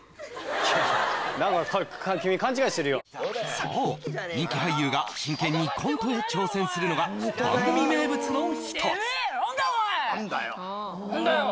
何か君勘違いしてるよそう人気俳優が真剣にコントへ挑戦するのが番組名物の一つ何だお前！